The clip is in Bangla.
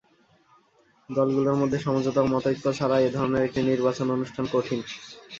দলগুলোর মধ্যে সমঝোতা ও মতৈক্য ছাড়া এ ধরনের একটি নির্বাচন অনুষ্ঠান কঠিন।